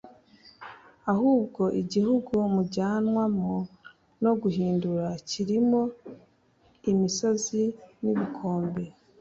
Ahubwo igihugu mujyanwamo no guhindūra kirimo imisozi nibikombe